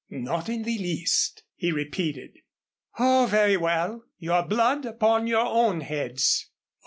"Not in the least," he repeated. "Oh, very well, your blood upon your own heads."